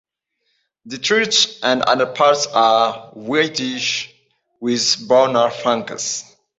The throat and underparts are whitish with browner flanks.